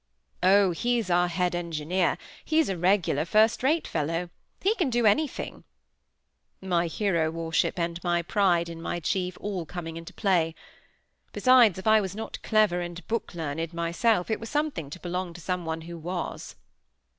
"Oh, he's our head engineer. He's a regular first rate fellow! He can do anything;" my hero worship and my pride in my chief all coming into play. Besides, if I was not clever and book learned myself, it was something to belong to some one who was.